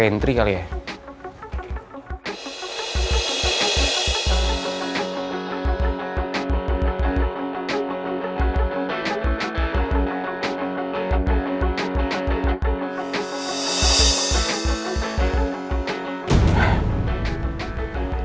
selamat mengalami papa